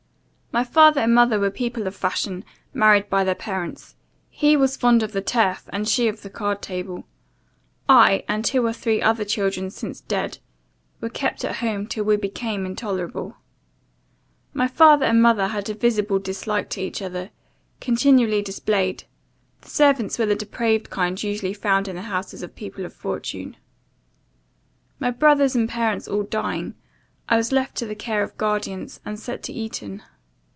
"My father and mother were people of fashion; married by their parents. He was fond of the turf, she of the card table. I, and two or three other children since dead, were kept at home till we became intolerable. My father and mother had a visible dislike to each other, continually displayed; the servants were of the depraved kind usually found in the houses of people of fortune. My brothers and parents all dying, I was left to the care of guardians; and sent to Eton.